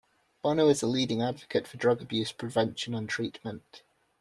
Bono is a leading advocate for drug abuse prevention and treatment.